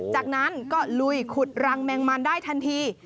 จากนั้นก็ลุยขุดรังแมงมันได้ทันที